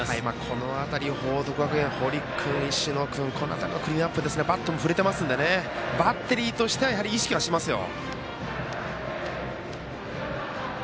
この辺り報徳学園、堀君、石野君この辺りはクリーンアップバットも振れていますのでバッテリーとしてはやはり意識はしますよ。